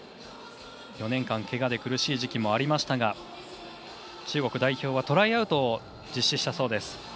４年間、けがで苦しい時期もありましたが中国代表はトライアウトを実施したそうです。